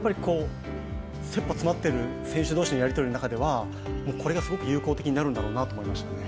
切羽詰まっている選手同士のやりとりの中ではこれがすごく有効になるんだろうなと思いました。